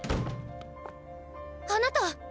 あなた！